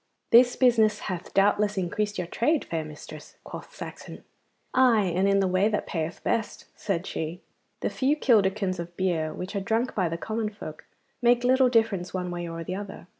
'This business hath doubtless increased your trade, fair mistress,' quoth Saxon. 'Aye, and in the way that payeth best,' said she. 'The few kilderkins of beer which are drunk by the common folk make little difference one way or the other.